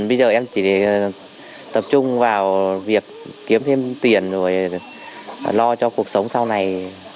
bây giờ em chỉ để tập trung vào việc kiếm thêm tiền rồi lo cho cuộc sống sau này